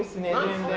全然。